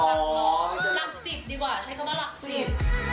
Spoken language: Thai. หลักสิบดีกว่าใช้คำว่าหลักสิบ